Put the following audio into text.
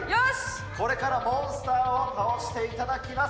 これからモンスターを倒していただきます。